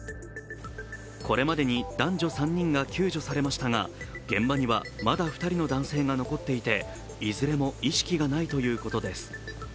これまでに男女３人が救助されましたが現場にはまだ２人の男性が残っていて、いずれも意識がないということです。